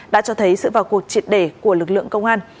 đã cho thấy sự vào cuộc triệt để của lực lượng công an